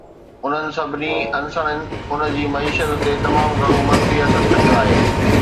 انهن سڀني عنصرن ان جي معيشت تي تمام گهڻو منفي اثر ڇڏيو آهي.